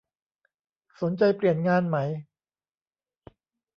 สนใจเปลี่ยนงานไหม